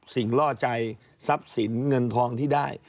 ล่อใจทรัพย์สินเงินทองที่ได้